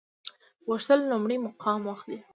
غوښتل لومړی مقام واخلي.